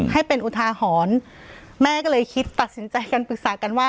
ให้เป็นอุทาหรณ์แม่ก็เลยคิดตัดสินใจกันปรึกษากันว่า